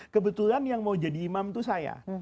kebetulan yang mau jadi imam itu saya